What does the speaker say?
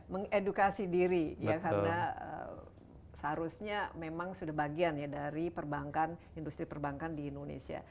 mengedukasi diri ya karena seharusnya memang sudah bagian ya dari perbankan industri perbankan di indonesia